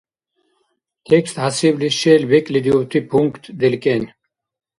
Текст хӀясибли шел бекӀлидиубти пункт делкӀен